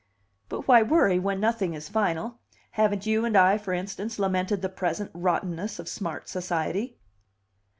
But why worry, when nothing is final? Haven't you and I, for instance, lamented the present rottenness of smart society?